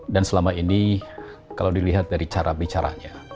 dan selama ini kalau dilihat dari cara bicaranya